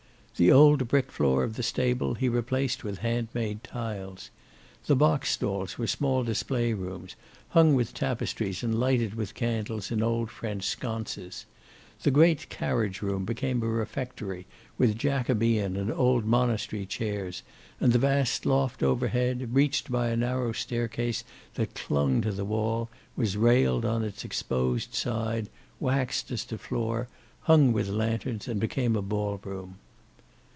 The old brick floor of the stable he replaced with handmade tiles. The box stalls were small display rooms, hung with tapestries and lighted with candles in old French sconces. The great carriage room became a refectory, with Jacobean and old monastery chairs, and the vast loft overhead, reached by a narrow staircase that clung to the wall, was railed on its exposed side, waxed as to floor, hung with lanterns, and became a ballroom.